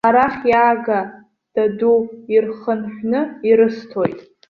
Арахь иаага, даду, ирхынҳәны ирысҭоит.